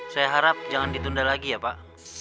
saya harap jangan ditunda lagi ya pak